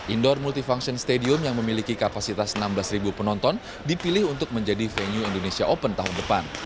indoor multifunction stadium yang memiliki kapasitas enam belas penonton dipilih untuk menjadi venue indonesia open tahun depan